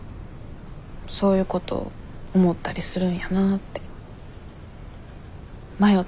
そういうこと思ったりするんやなって迷ったりするんやなって。